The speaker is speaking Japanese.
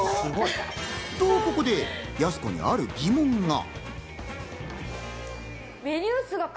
と、ここでやす子にある疑問が。